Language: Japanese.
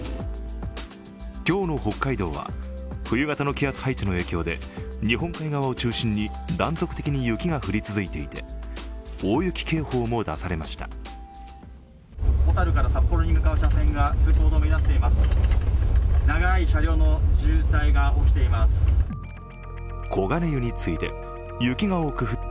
今日の北海道は冬型の気圧配置の影響で日本海側を中心に断続的に雪が降り続いていて大雪警報も出されました。